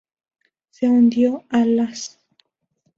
Se hundió a las